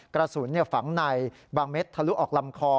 กระสุนฝังในบางเม็ดทะลุออกลำคอ